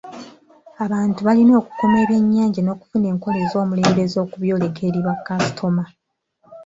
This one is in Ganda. Abantu balina okukuuma ebyennyanja n'okufuna enkola ez'omulembe ez'okubyoleka eri bakasitoma.